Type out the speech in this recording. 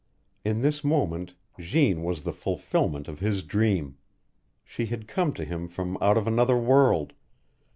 In this moment Jeanne was the fulfilment of his dream; she had come to him from out of another world.